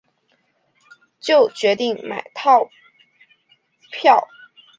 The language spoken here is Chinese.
就决定买套票